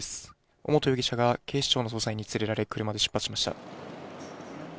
尾本容疑者が警視庁の捜査員に連れられ、車で出発しました。